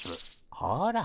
ほら。